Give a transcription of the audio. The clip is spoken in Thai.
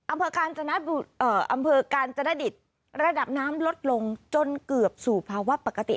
อำเภอกาลเอ่ออำเภอกาลจรดิษฎ์ระดับน้ำรถลงจนเกือบสู่ภาวะปกติ